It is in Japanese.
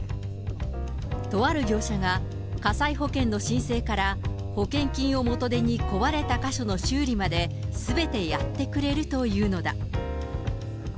とある業者が、火災保険の申請から保険金を元手に壊れた箇所の修理まですべてやってくれるというのだ。